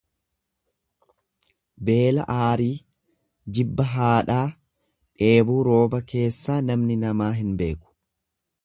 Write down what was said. Beela aarii, jibba haadhaa, dheebuu rooba keessaa namni namaa hin beeku.